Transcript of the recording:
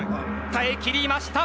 耐えきりました。